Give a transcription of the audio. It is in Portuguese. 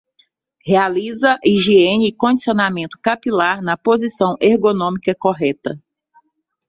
Realiza higiene e condicionamento capilar na posição ergonômica correta.